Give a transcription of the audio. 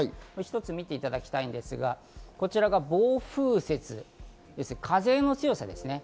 見ていただきたいんですが、こちらが暴風雪、風の強さですね。